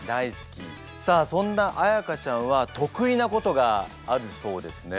さあそんな彩歌ちゃんは得意なことがあるそうですね。